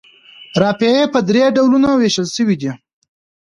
رافعې په درې ډولونو ویشل شوي دي.